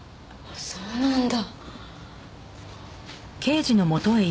そうなんだ。